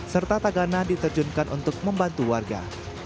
serta tagana diterjunkan untuk membantu warga